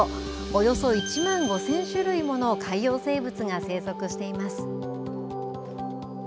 およそ１万５０００種類もの海洋生物が生息しています。